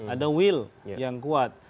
ada will yang kuat